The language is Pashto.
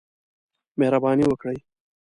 مهرباني وکړئ